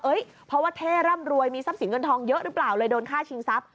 เพราะว่าเท่ร่ำรวยมีทรัพย์สินเงินทองเยอะหรือเปล่าเลยโดนฆ่าชิงทรัพย